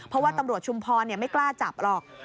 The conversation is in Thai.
เพราะว่าตำรวจชุมพรไม่กล้าจับหรอก